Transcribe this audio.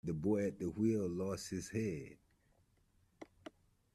The boy at the wheel lost his head.